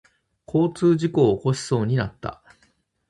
交通事故を起こしそうになった。